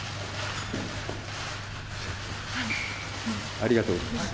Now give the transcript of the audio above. ありがとうございます。